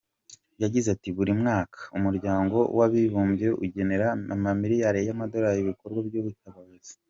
Yagize ati ” Buri mwaka, Umuryango w’Abibumbye ugenera amamiliyari y’amadorari ibikorwa by’ubutabazi.